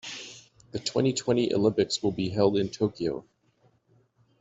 The twenty-twenty Olympics will be held in Tokyo.